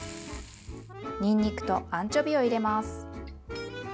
にんにくとアンチョビを入れます。